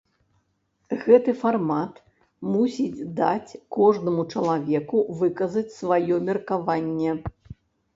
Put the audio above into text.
Гэты фармат мусіць даць кожнаму чалавеку выказаць сваё меркаванне.